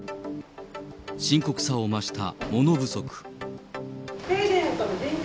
深刻さを増したもの不足。